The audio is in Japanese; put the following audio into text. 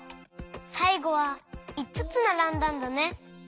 さいごはいつつならんだんだね。